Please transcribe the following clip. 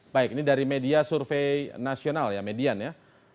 baik ini dari media survei nasional ya median ya